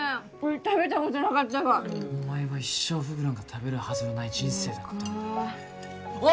食べたことなかったがお前は一生フグなんか食べるはずのない人生だったんだおい！